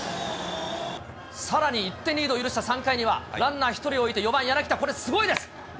さらに１点リードを許した３回には、ランナー１人を置いて４番柳田、これ、すごいです。